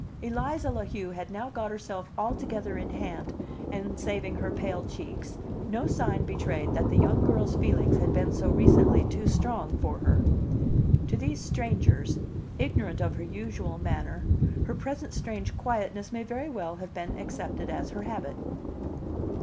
Eliza La Heu had now got herself altogether in hand, and, saving her pale cheeks, no sign betrayed that the young girl's feelings had been so recently too strong for her. To these strangers, ignorant of her usual manner, her present strange quietness may very well have been accepted as her habit.